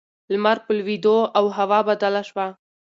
لمر په لوېدو و او هوا بدله شوه.